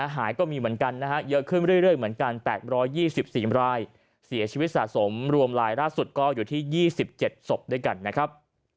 หายก็มีเหมือนกันนะฮะเยอะขึ้นเรื่อยเหมือนกัน๘๒๔รายเสียชีวิตสะสมรวมลายล่าสุดก็อยู่ที่๒๗ศพด้วยกันนะครับ